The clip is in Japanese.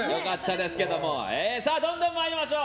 どんどん参りましょう。